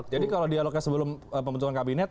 jadi kalau dialognya sebelum pembentukan kabinet